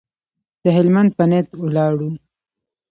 د هلمند په نیت ولاړو.